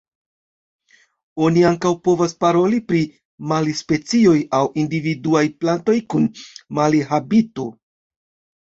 Oni ankaŭ povas paroli pri mali-specioj aŭ individuaj plantoj kun mali-habito.